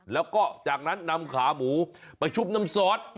แล้วก็จากนั้นนำขาหมูไปชุบน้ำซอส